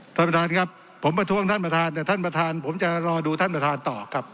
ท่านประธานครับผมประท้วงท่านประธานแต่ท่านประธานผมจะรอดูท่านประธานต่อครับ